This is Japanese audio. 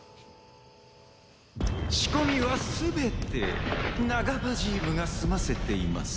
仕込みは全てナガバジームが済ませています。